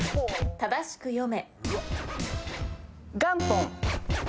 正しく読め。